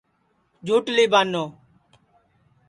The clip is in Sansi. جھوٹؔلی بانو